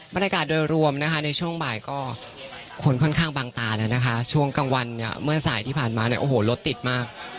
บรรยากาศโดยรวมในช่วงบ่ายโหลดติดมาก